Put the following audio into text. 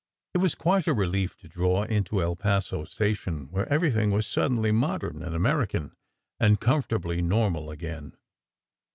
It was quite a relief to draw into El Paso station where everything was suddenly modern and Amer ican, and comfortably normal again.